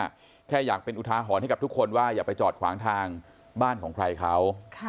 แค่อยากเป็นอุทาหรณ์ให้กับทุกคนว่าอย่าไปจอดขวางทางบ้านของใครเขา